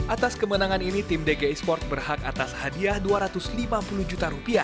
atas kemenangan ini tim dg esports berhak atas hadiah rp dua ratus lima puluh juta